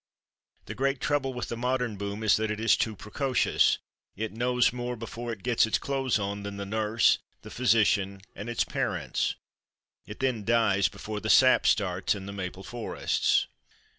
The great trouble with the modern boom is that it is too precocious. It knows more before it gets its clothes on than the nurse, the physician and its parents. It then dies before the sap starts in the maple forests.